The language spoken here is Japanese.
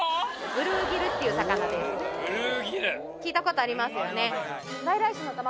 ブルーギル聞いたことありますよね